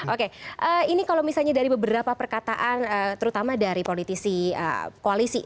oke ini kalau misalnya dari beberapa perkataan terutama dari politisi koalisi